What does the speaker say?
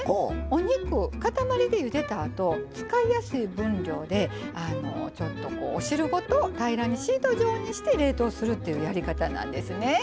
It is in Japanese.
お肉塊でゆでたあと使いやすい分量でお汁ごと平らにシート状にして冷凍するっていうやり方なんですね。